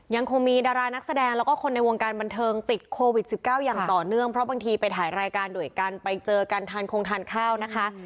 ยังคงมีดารานักแสดงแล้วก็คนในวงการบันเทิงติดโควิด๑๙อย่างต่อเนื่องเพราะบางทีไปถ่ายรายการด้วยกันไปเจอกันทานคงทานข้าวนะคะ